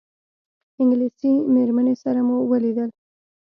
انګلیسي مېرمنې سره مو ولیدل.